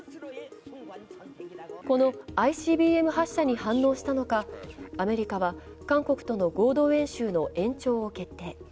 そのＩＣＢＭ発射に反応したのか、アメリカは韓国との合同演習の延長を決定。